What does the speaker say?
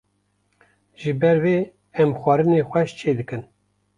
Ji ber vê em xwarinên xweş çê dikin